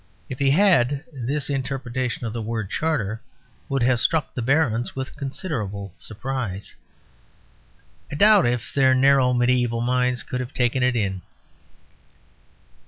If he had, this interpretation of the word "charter" would have struck the barons with considerable surprise. I doubt if their narrow mediæval minds could have taken it in.